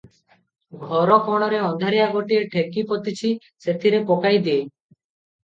ଘରକଣରେ ଅନ୍ଧାରିଆ ଗୋଟିଏ ଠେକି ପୋତିଛି, ସେଥିରେ ପକାଇ ଦିଏ ।